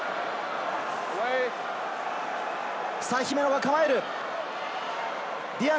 姫野が構える。